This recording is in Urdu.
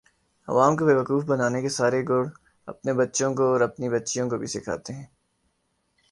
عوام کو بیوقوف بنانے کے سارے گُر اپنے بچوں کو اور اپنی بچیوں کو بھی سیکھاتے ہیں